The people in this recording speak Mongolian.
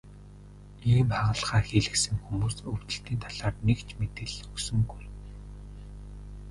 Ийм хагалгаа хийлгэсэн хүмүүс өвдөлтийн талаар нэг ч мэдээлэл өгсөнгүй.